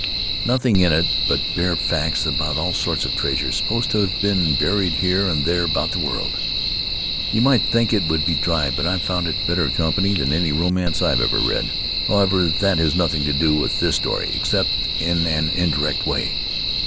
Nothing in it but bare facts about all sorts of treasure supposed to have been buried here and there about the world. You might think it would be dry, but I found it better company than any romance I've ever read. However, that has nothing to do with this story, except in an indirect way.